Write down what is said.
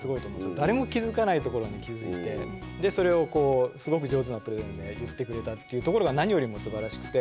誰も気づかないところに気づいてでそれをすごく上手なプレゼンで言ってくれたっていうところが何よりもすばらしくて。